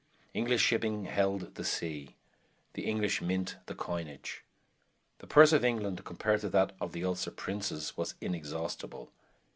English shipping held the sea; the English mint the coinage. The purse of England, compared to that of the Ulster princes, was inexhaustible.